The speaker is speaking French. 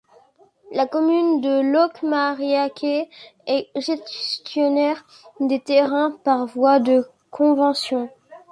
La commune de Locmariaquer est gestionnaire des terrains par voie de convention.